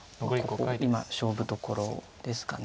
ここ今勝負どころですか。